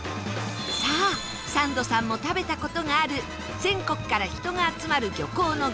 さあサンドさんも食べた事がある全国から人が集まる漁港の行列グルメ